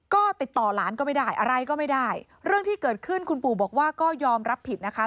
ก็ติดต่อหลานก็ไม่ได้อะไรก็ไม่ได้เรื่องที่เกิดขึ้นคุณปู่บอกว่าก็ยอมรับผิดนะคะ